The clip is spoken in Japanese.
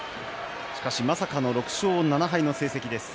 しかしまさかの６勝７敗の成績です。